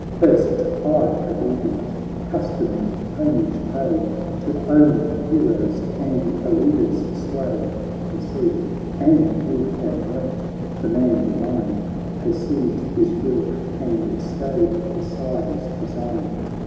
First I, obedient, 'customed homage pay To own a hero's and a leader's sway.' He said, and would have knelt ; the man divine Perceived his will, and stayed the Sire's design.